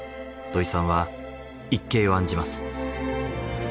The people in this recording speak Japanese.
土肥さんは一計を案じます。